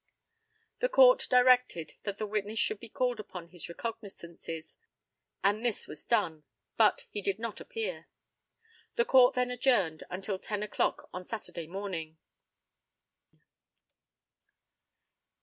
The COURT directed that the witness should be called upon his recognizances, and this was done, but he did not appear. The Court then adjourned until ten o'clock on Saturday morning.